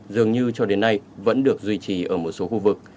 dường như cho đến nay vẫn được duy trì ở một số khu vực